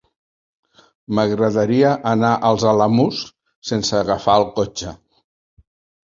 M'agradaria anar als Alamús sense agafar el cotxe.